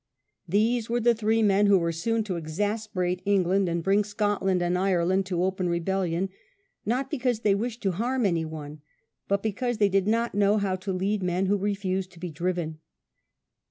These were the three men who were soon to exasperate England, and bring Scotland and Ireland to open rebellion, not be cause they wished to harm any one, but because they did not know how to lead men who refused to be driven.